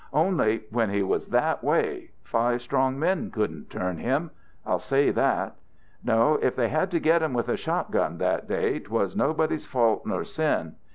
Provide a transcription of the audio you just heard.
"Only when he was that way five strong men couldn't turn him. I'll say that. No, if they had to get him with a shotgun that day, 'twas nobody's fault nor sin.